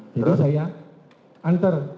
jadi saya antar